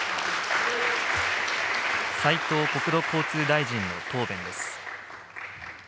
斉藤国土交通大臣の答弁です。